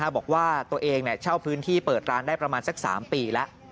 บอกว่าตัวเองเช่าพื้นที่เปิดร้านได้ประมาณสัก๓ปีแล้ว